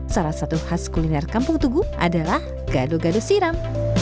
salah satu khas kuliner kampung tugu adalah gado gado siram